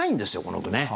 この句ね。